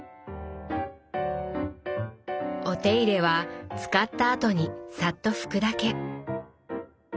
お手入れは使ったあとにサッと拭くだけ。